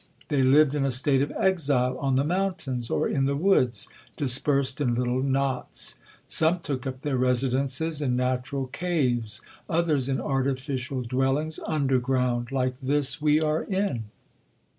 They lived in a state of exile, on the mountains, or in the woods, dispersed in little knots. Some took up their residences in natural caves, others in artificial dwellings under ground, like this we are in.